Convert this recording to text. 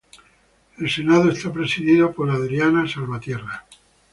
El Senado es presidido por Adriana Salvatierra.